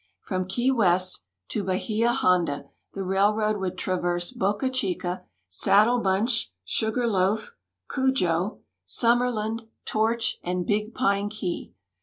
From Key West to Bahia Honda the railroad wmuld traverse Boca Chica, Saddle Bunch, Sugar Loaf, Cudjoe, Summerland, Torch, and Big Pine Key.